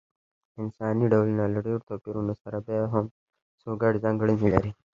انساني ډولونه له ډېرو توپیرونو سره بیا هم څو ګډې ځانګړنې لري.